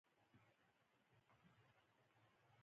انسا ټولنې د تاریخي توپیرونو له امله له کشمکشونو سره مخ وي.